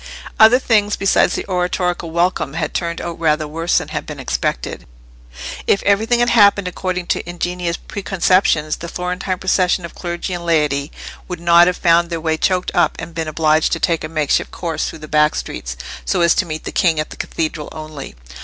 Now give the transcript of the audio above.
Other things besides the oratorical welcome had turned out rather worse than had been expected. If everything had happened according to ingenious preconceptions, the Florentine procession of clergy and laity would not have found their way choked up and been obliged to take a makeshift course through the back streets, so as to meet the king at the Cathedral only.